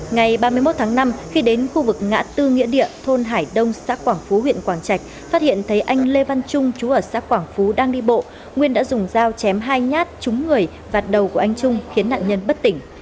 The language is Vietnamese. ngày ba mươi một tháng năm khi đến khu vực ngã tư nghĩa địa thôn hải đông xã quảng phú huyện quảng trạch phát hiện thấy anh lê văn trung chú ở xã quảng phú đang đi bộ nguyên đã dùng dao chém hai nhát trúng người vạt đầu của anh trung khiến nạn nhân bất tỉnh